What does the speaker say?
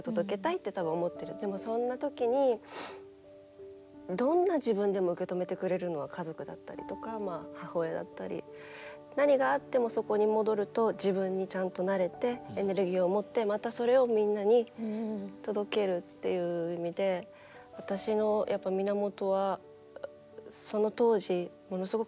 でもそんな時にどんな自分でも受け止めてくれるのは家族だったりとか母親だったり何があってもそこに戻ると自分にちゃんとなれてエネルギーを持ってまたそれをみんなに届けるっていう意味で私の源はその当時ものすごくその支えがあったっていうのは大きかったです。